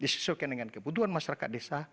disesuaikan dengan kebutuhan masyarakat desa